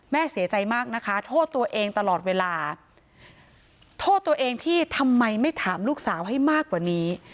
เสียใจมากนะคะโทษตัวเองตลอดเวลาโทษตัวเองที่ทำไมไม่ถามลูกสาวให้มากกว่านี้